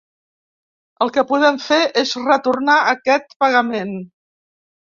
El que podem fer és retornar aquest pagament.